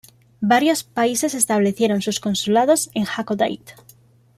Varios países establecieron sus consulados en Hakodate.